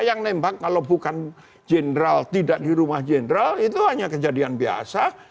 yang nembak kalau bukan jenderal tidak di rumah jenderal itu hanya kejadian biasa